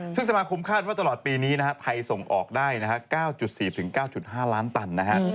ซึ่งสมาคมคาดว่าตลอดปีนี้นะฮะไทยส่งออกได้๙๔๙๕ล้านตันนะฮะ